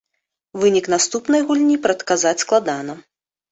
Вынік наступнай гульні прадказаць складана.